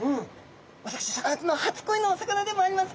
わたくしさかなクンの初恋のお魚でもあります